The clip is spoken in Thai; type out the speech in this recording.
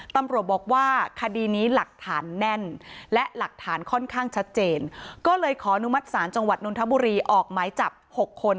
ตำรวจบอกว่าคดีนี้หลักฐานแน่นและหลักฐานค่อนข้างชัดเจนก็เลยขออนุมัติศาลจังหวัดนทบุรีออกหมายจับ๖คน